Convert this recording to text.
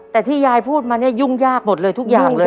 แต่ที่ยายพูดมาเนี่ยยุ่งยากหมดเลยทุกอย่างเลย